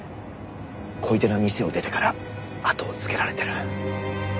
小出の店を出てからあとをつけられてる。